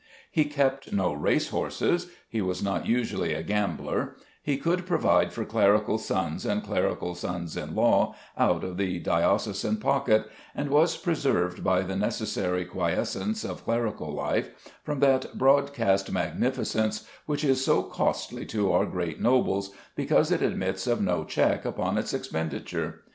He kept no race horses; he was not usually a gambler; he could provide for clerical sons and clerical sons in law out of the diocesan pocket: and was preserved by the necessary quiescence of clerical life from that broadcast magnificence which is so costly to our great nobles, because it admits of no check upon its expenditure.